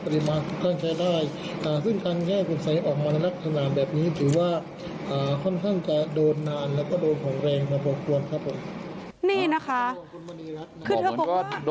เหมือนก็โดนของอะไรอย่างนี้เหรอ